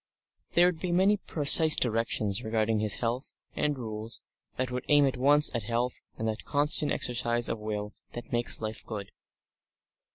There would be many precise directions regarding his health, and rules that would aim at once at health and that constant exercise of will that makes life good.